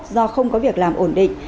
do không có việc làm ổn định